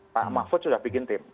pak mahfud sudah bikin tim